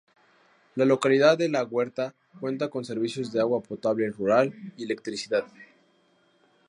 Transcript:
La localidad de La Huerta cuenta con servicios de agua potable rural y electricidad.